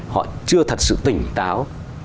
họ chưa thật sự tỉnh táo